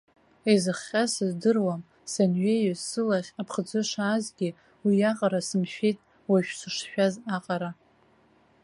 Изыхҟьа сыздыруам, санҩеиуаз, сылахь аԥхӡы шаазгьы, уиаҟара сымшәеит, уажә сышшәаз аҟара.